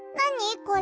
これ。